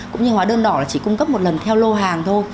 cũng như hóa đơn đỏ là chỉ cung cấp một lần theo lô hàng thôi